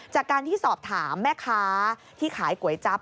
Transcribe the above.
จากการที่สอบถามแม่ค้าที่ขายก๋วยจั๊บ